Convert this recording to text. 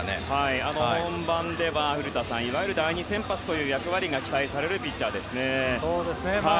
本番では、古田さんいわゆる第２先発という役割が期待されるピッチャーですね。